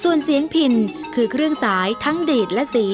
ส่วนเสียงพินคือเครื่องสายทั้งดีดและสี